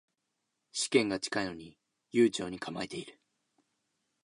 試験が近いのに悠長に構えてる